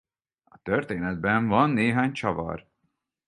A történetben van néhány csavar.